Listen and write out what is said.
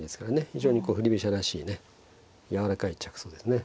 非常に振り飛車らしいねやわらかい着想ですね。